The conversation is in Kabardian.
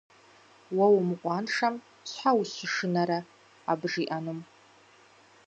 Уэ умыкъуаншэм щхьэ ущышынэрэ абы жиӀэнум?